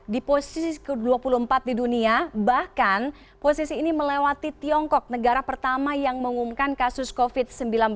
di posisi ke dua puluh empat di dunia bahkan posisi ini melewati tiongkok negara pertama yang mengumumkan kasus covid sembilan belas